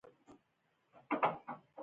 بښنه خوږه ده.